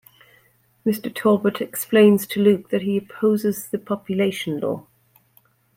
Mr. Talbot explains to Luke that he opposes the Population Law.